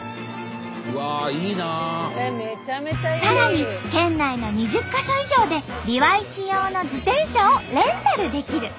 さらに県内の２０か所以上でビワイチ用の自転車をレンタルできる。